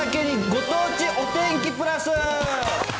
ご当地お天気プラス。